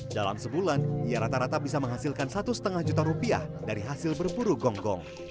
dalam sebulan ia rata rata bisa menghasilkan satu lima juta rupiah dari hasil berburu gonggong